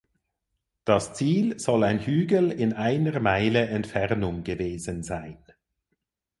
Das Ziel soll ein Hügel in einer Meile Entfernung gewesen sein.